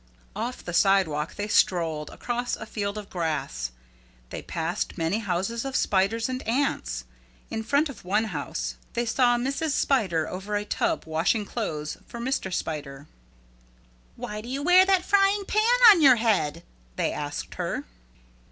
Off the sidewalk they strolled, across a field of grass. They passed many houses of spiders and ants. In front of one house they saw Mrs. Spider over a tub washing clothes for Mr. Spider. "Why do you wear that frying pan on your head?" they asked her.